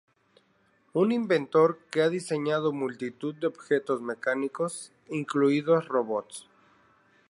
Un inventor que ha diseñado multitud de objetos mecánicos, incluidos robots.